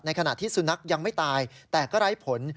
ขณะที่สุนัขยังไม่ตายแต่ก็ไร้ผล